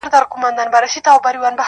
د پښتو اشعار يې دُر لعل و مرجان کړه,